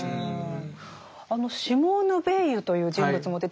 あのシモーヌ・ヴェイユという人物も出てきました。